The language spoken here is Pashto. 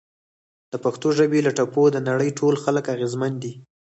د پښتو ژبې له ټپو د نړۍ ټول خلک اغیزمن دي!